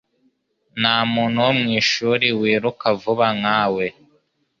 Nta muntu wo mu ishuri wiruka vuba nka we.